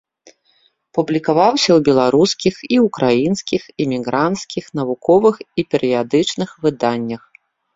Публікаваўся ў беларускіх і ўкраінскіх эмігранцкіх навуковых і перыядычных выданнях.